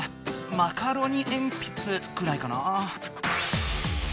「マカロニえんぴつ」くらいかな。